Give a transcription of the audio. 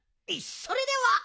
それでは！